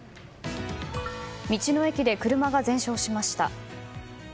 道の駅で車が全焼しました。